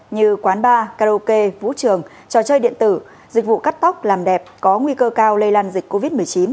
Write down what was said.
như quán bar karaoke vũ trường trò chơi điện tử dịch vụ cắt tóc làm đẹp có nguy cơ cao lây lan dịch covid một mươi chín